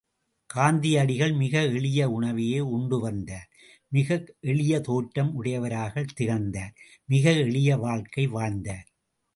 காந்தியடிகள் மிக எளிய உணவையே உண்டுவந்தார் மிக்கெளிய தோற்றம் உடையவராகத் திகழ்ந்தார் மிக எளிய வாழ்க்கை வாழ்ந்தார்.